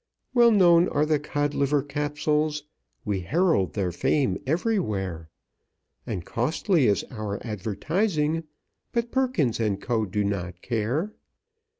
"Well known are the Codliver Capsules, We herald their fame everywhere; And costly is our advertising, But Perkins & Co. do not care.